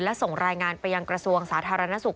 และส่งรายงานไปยังกระทรวงสาธารณสุข